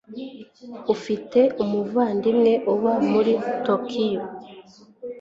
Afite umuvandimwe uba muri Tokiyo.